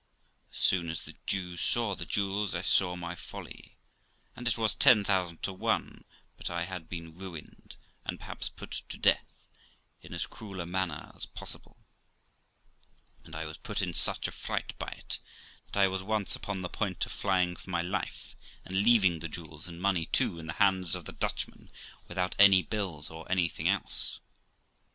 As soon as the Jew saw the jewels I saw my folly, and it was ten thousand to one but I had been ruined, and perhaps put to death in as cruel a manner as possible; and I was put in such a fright by it that I was once upon the point of flying for my life, and leaving the jewels and money too in the hands of the Dutchman, without any bills or anything else.